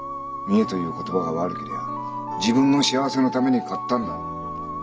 見えという言葉が悪けりゃ自分の幸せのために買ったんだろう？